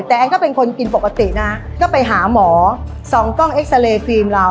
แต่แอนก็เป็นคนกินปกตินะก็ไปหาหมอส่องกล้องเอ็กซาเรย์ฟิล์มเรา